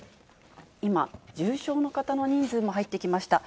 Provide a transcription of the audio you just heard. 今、重症の方の人数も入ってきました。